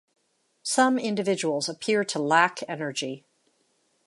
Some individuals appear to lack energy.